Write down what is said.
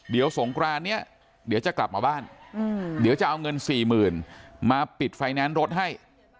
เดี๋ยวสงครานนี้เดี๋ยวจะกลับมาบ้านเดี๋ยวจะเอาเงิน๔๐๐๐มาปิดไฟแนนซ์รถให้